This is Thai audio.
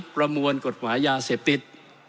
ประมวลกฎหมายยาเสพติด